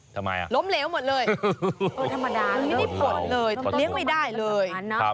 ทำไมล้มเหลวหมดเลยไม่ได้ปลดเลยเลี้ยงไม่ได้เลย